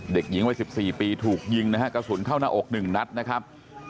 เด็กหญิงวัย๑๔ปีถูกยิงนะฮะกระสุนเข้าหน้าอก๑นัดนะครับ